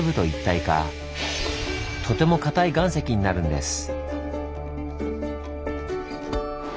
とてもかたい岩石になるんです。